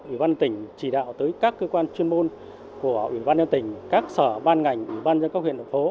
ubnd tỉnh chỉ đạo tới các cơ quan chuyên môn của ubnd tỉnh các sở ban ngành ubnd các huyện đồng phố